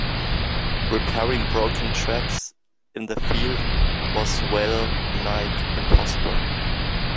Repairing broken tracks in the field was well-nigh impossible.